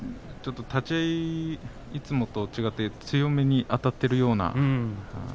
立ち合い、いつもと違って強めにあたっているような。